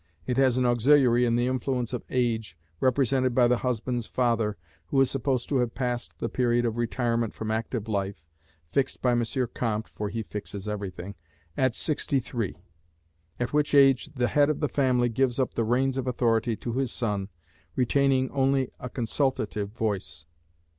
It has an auxiliary in the influence of age, represented by the husband's father, who is supposed to have passed the period of retirement from active life, fixed by M. Comte (for he fixes everything) at sixty three; at which age the head of the family gives up the reins of authority to his son, retaining only a consultative voice.